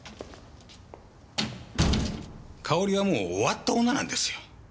かおりはもう終わった女なんですよ。